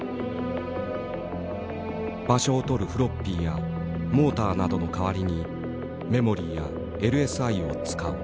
場所をとるフロッピーやモーターなどの代わりにメモリーやＬＳＩを使う。